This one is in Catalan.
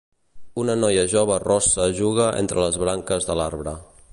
Una noia jove rossa juga entre les branques de l'arbre.